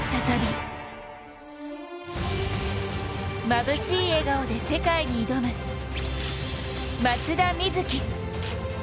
まぶしい笑顔で世界に挑む、松田瑞生。